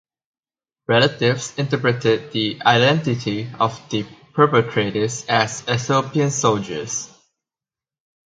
Relatives interpreted the identity of the perpetrators as Ethiopian soldiers.